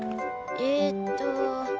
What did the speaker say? えっと。